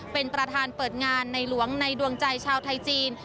เป็นประธานเปิดงานในหลวงในดวงใจชาวไทยจีน